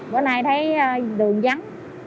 bữa nay thấy đường rắn